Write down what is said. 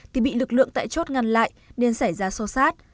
thì bị lực lượng tại chốt ngăn lại nên xảy ra sâu sát